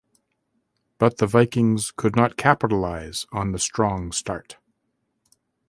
But the Vikings could not capitalize on the strong start.